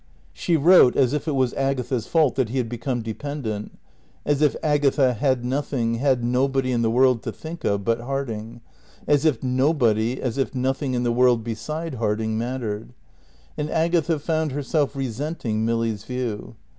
She wrote as if it was Agatha's fault that he had become dependent; as if Agatha had nothing, had nobody in the world to think of but Harding; as if nobody, as if nothing in the world beside Harding mattered. And Agatha found herself resenting Milly's view.